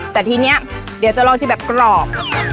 แต่ทีนี้เดี๋ยวจะลองชิมแบบกรอบ